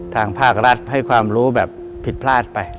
ทางภาครัฐให้ความรู้แบบผิดพลาดไป